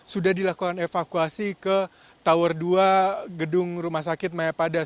sudah dilakukan evakuasi ke tower dua gedung rumah sakit maya padas